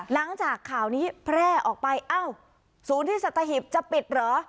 หลังจากข่าวนี้แพร่ออกไปอ้าวศูนย์ที่สัตหิบจะปิดเหรอ